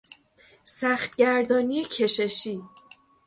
سخت گردانی کششی